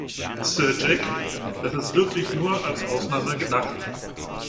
Sir Jack, das ist wirklich nur als Ausnahme gedacht.